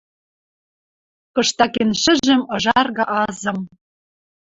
Кыштакен шӹжӹм ыжарга азым